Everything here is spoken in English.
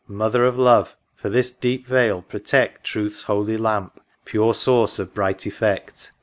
Mother of Love ! for this deep vale, protect Truth's holy lamp, pure source of bright effect.